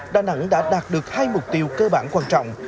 đà nẵng đã đạt được hai mục tiêu cơ bản quan trọng